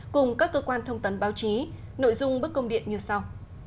cùng các cơ quan thông tấn báo chí nội dung bức công điện như sau